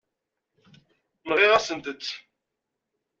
Nɣiɣ-asent-tt.